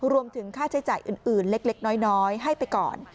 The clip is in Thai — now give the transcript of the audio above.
รวมถึงค่าใช้จ่ายอื่นเล็กน้อยให้ไปก่อน